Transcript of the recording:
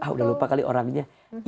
udah lupa kali orangnya